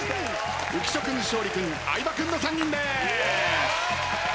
浮所君勝利君相葉君の３人でーす。